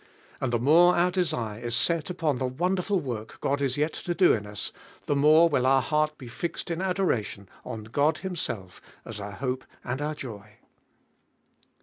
And the more our desire is set upon the wonderful work God is yet to do in us, the more will our heart be fixed in adoration on God Himself as our hope and our joy.